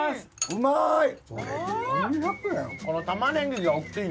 うまい。